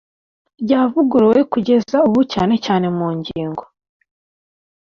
Ryavuguruwe kugeza ubu cyane cyane mu ngingo